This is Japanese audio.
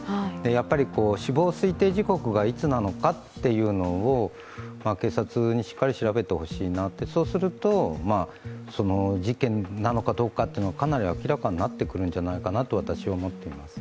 やっぱり死亡推定時刻がいつなのかっていうのを警察にしっかり調べてほしいなってそうすると、事件なのかどうかというのがかなり明らかになってくるんじゃないかなと私は思っています。